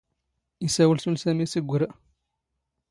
ⵉⵙⴰⵡⵍ ⵙⵓⵍ ⵙⴰⵎⵉ ⵙ ⵉⴳⴳⵯⵔⴰ.